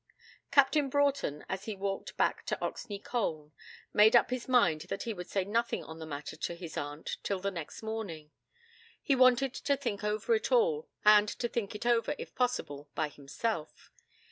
Captain Broughton, as he walked back to Oxney Colne, made up his mind that he would say nothing on the matter to his aunt till the next morning. He wanted to think over it all, and to think it over, if possible, by himself.